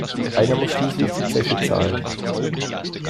Einer muss schließlich die Zeche zahlen.